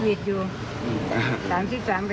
และเปรี้ยวบอกว่าห้านั้นไหนน่ะบ้างค่ะ